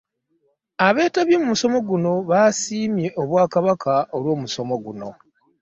Abeetabye mu musomo guno basiimye Obwakabaka olw’omusomo guno .